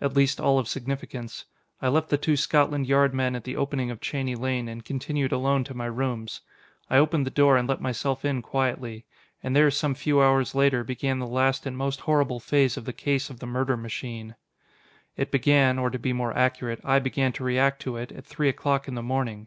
At least, all of significance. I left the two Scotland Yard men at the opening of Cheney Lane, and continued alone to my rooms. I opened the door and let myself in quietly. And there some few hours later, began the last and most horrible phase of the case of the murder machine. It begin or to be more accurate, I began to react to it at three o'clock in the morning.